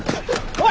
おい！